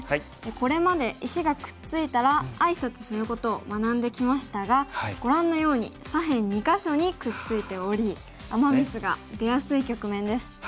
これまで石がくっついたらあいさつすることを学んできましたがご覧のように左辺２か所にくっついておりアマ・ミスが出やすい局面です。